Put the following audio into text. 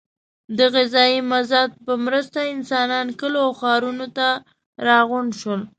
د غذایي مازاد په مرسته انسانان کلیو او ښارونو ته راغونډ شول.